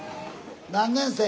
何年生？